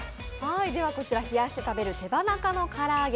こちらひやして食べる手羽中のから揚げ。